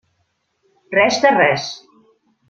Res de res!